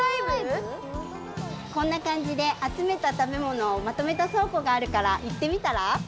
こんなかんじであつめた食べ物をまとめたそうこがあるからいってみたら？